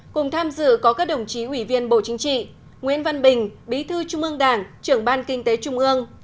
cùng tham dự có các đồng chí ủy viên bộ chính trị nguyễn văn bình bí thư trung ương đảng trưởng ban kinh tế trung ương